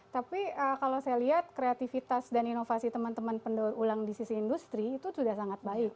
tapi kalau saya lihat kreativitas dan inovasi teman teman pendaur ulang di sisi industri itu sudah sangat baik